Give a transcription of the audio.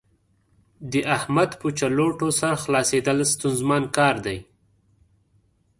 د احمد په چلوټو سر خلاصېدل ستونزمن کار دی.